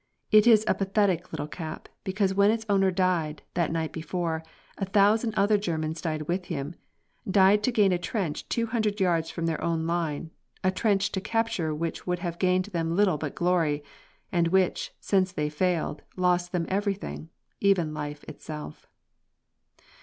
It is a pathetic little cap, because when its owner died, that night before, a thousand other Germans died with him, died to gain a trench two hundred yards from their own line, a trench to capture which would have gained them little but glory, and which, since they failed, lost them everything, even life itself.